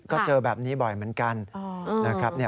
ก็เจอแบบนี้บ่อยเหมือนกัน